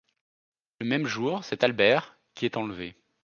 Le même jour, c'est Albert qui est enlevé.